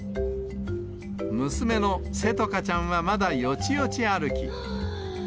娘のせとかちゃんは、まだよちよち歩き。